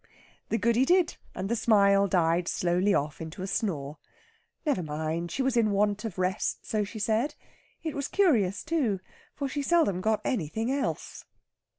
The Goody did, and the smile died slowly off into a snore. Never mind! She was in want of rest, so she said. It was curious, too, for she seldom got anything else.